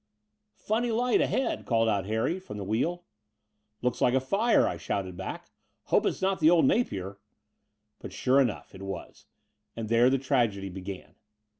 "Funny light ahead," called out Harry from the wheel. "Looks like a fire," I shouted back. "Hope it's not the old Napier!" But sure enough it was; and there the tragedy began.